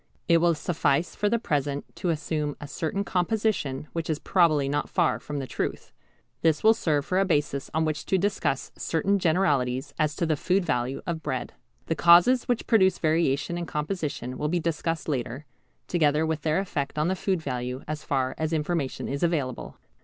It will suffice for the present to assume a certain composition which is probably not far from the truth. This will serve for a basis on which to discuss certain generalities as to the food value of bread. The causes which produce variation in composition will be discussed later, together with their effect on the food value as far as information is available.